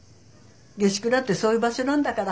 下宿なんてそういう場所なんだから。